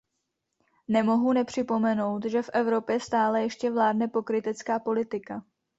Nemohu nepřipomenout, že v Evropě stále ještě vládne pokrytecká politika.